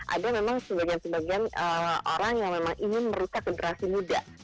ada memang sebagian sebagian orang yang memang ingin merusak generasi muda